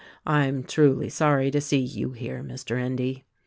I am truly sorry to see you here, Mr. Endy."